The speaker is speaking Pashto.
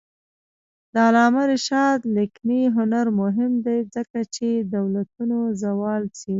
د علامه رشاد لیکنی هنر مهم دی ځکه چې دولتونو زوال څېړي.